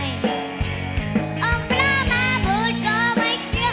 อมประมาพูดก็ไม่เชียว